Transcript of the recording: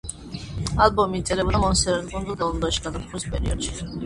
ალბომი იწერებოდა მონსერატის კუნძულზე და ლონდონში, გაზაფხულის პერიოდში.